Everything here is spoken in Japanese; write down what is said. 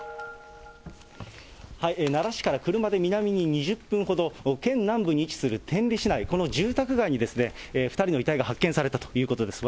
奈良市から車で南に２０分ほど、県南部に位置する天理市内、この住宅街に、２人の遺体が発見されたということです。